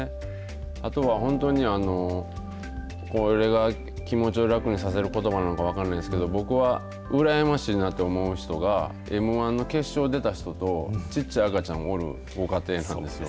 あとは本当に、これが、気持ちを楽にさせることばなのかどうか分かんないですけど、僕は羨ましいなと思う人が、Ｍー１の決勝に出た人と、ちっちゃい赤ちゃんおるご家庭なんですよ。